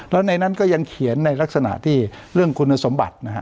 แล้วในนั้นก็ยังเขียนในลักษณะที่เรื่องคุณสมบัตินะฮะ